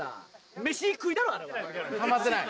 飯食いだろあれはハマってない